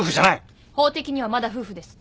法的にはまだ夫婦です。